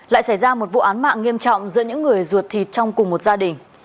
lại xảy ra một vụ án mạng nghiêm trọng giữa những người ruột thịt trong cùng một gia đình